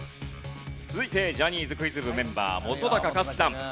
続いてジャニーズクイズ部メンバー本克樹さん。